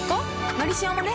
「のりしお」もね